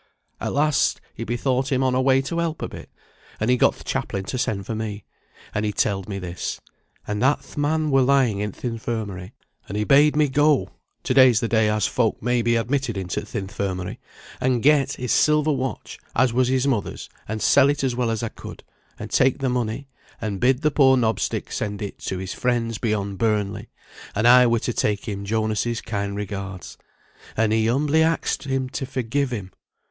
At last he bethought him on a way to help a bit, and he got th' chaplain to send for me; and he telled me this; and that th' man were lying in th' Infirmary, and he bade me go (to day's the day as folk may be admitted into th' Infirmary) and get his silver watch, as was his mother's, and sell it as well as I could, and take the money, and bid the poor knob stick send it to his friends beyond Burnley; and I were to take him Jonas's kind regards, and he humbly axed him to forgive him.